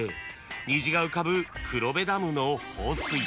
［虹が浮かぶ黒部ダムの放水］